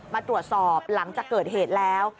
มาตรวจสอบหลังจากเกิดเหตุแล้ว